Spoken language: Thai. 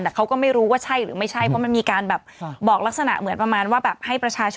แต่เขาก็ไม่รู้ว่าใช่หรือไม่ใช่